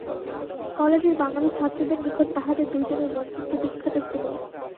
কালেজের বাঙালি ছাত্রদের নিকট তাহাদের দুইজনের বন্ধুত্ব বিখ্যাত ছিল।